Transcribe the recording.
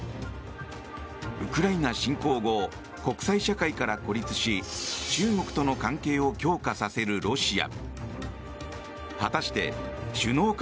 ウクライナ侵攻後国際社会から孤立し中国との関係を強化させるロシア。